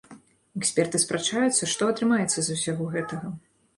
Эксперты спрачаюцца, што атрымаецца з усяго гэтага.